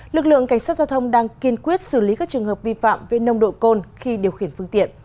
lực lượng cảnh sát giao thông đang kiên quyết xử lý các trường hợp vi phạm về nông độ côn khi điều khiển phương tiện